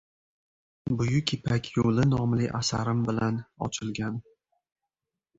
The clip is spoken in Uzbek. “Buyuk ipak yo’li” nomli asarim bilan ochilgan.